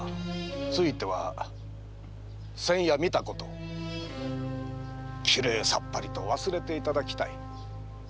ついては先夜見たこときれいさっぱりと忘れていただきたい。